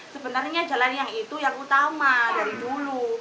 sebenarnya jalan yang itu yang utama dari dulu